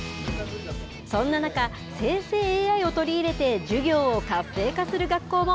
そんな中、生成ＡＩを取り入れて授業を活性化する学校も。